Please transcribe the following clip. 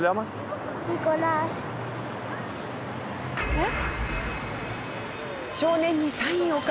えっ？